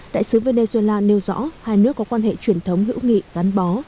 đại sứ venezuela nêu rõ hai nước có quan hệ truyền thống hữu nghị gắn bó